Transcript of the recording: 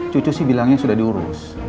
cucu sih bilangnya sudah diurus